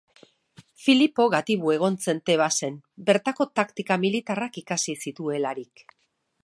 Filipo gatibu egon zen Tebasen, bertako taktika militarrak ikasi zituelarik.